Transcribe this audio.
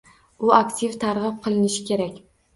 U aktiv targʻib qilinishi kerak.